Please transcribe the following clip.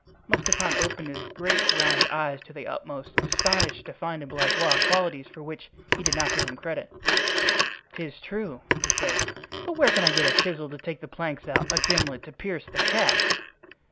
Mousqueton opened his great round eyes to the utmost, astonished to find in Blaisois qualities for which he did not give him credit. "'Tis true," he said; "but where can I get a chisel to take the planks out, a gimlet to pierce the cask?"